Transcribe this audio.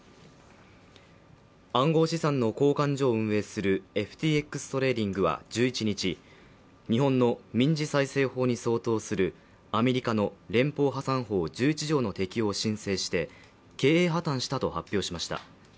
暗号資産の交換所を運営するＦＴＸトレーディングは１１日日本の民事再生法に相当するアメリカの連邦破産法１１条の適用を申請して、経営破綻したと発表しました。